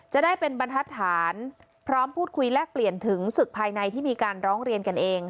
จะได้เป็นบรรทัศนพร้อมพูดคุยแลกเปลี่ยนถึงศึกภายในที่มีการร้องเรียนกันเอง